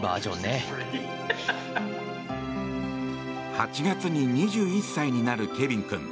８月に２１歳になるケビン君。